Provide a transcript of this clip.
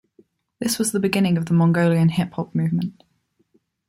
This was the beginning of the Mongolian hip hop movement.